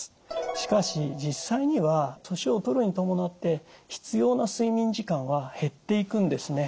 しかし実際には年を取るに伴って必要な睡眠時間は減っていくんですね。